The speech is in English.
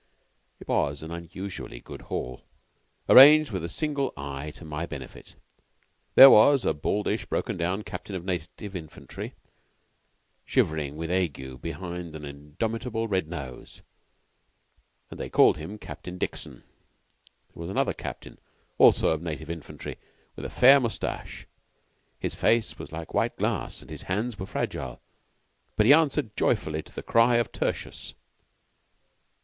It was an unusually good haul, arranged with a single eye to my benefit. There was a baldish, broken down captain of Native Infantry, shivering with ague behind an indomitable red nose and they called him Captain Dickson. There was another captain, also of Native Infantry, with a fair mustache; his face was like white glass, and his hands were fragile, but he answered joyfully to the cry of Tertius.